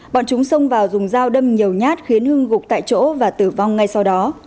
bọn chúng xông vào dùng dao đâm nhiều nhát khiến hưng gục tại chỗ và tử vong ngay sau đó